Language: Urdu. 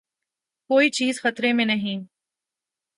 کوئی چیز خطرے میں نہیں۔